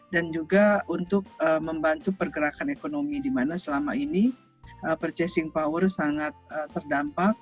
dan juga untuk membantu pergerakan ekonomi di mana selama ini purchasing power sangat terdampak